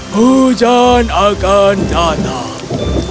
hujan akan datang